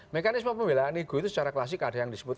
mekanisme pembelaan ego itu secara klasik ada yang disebut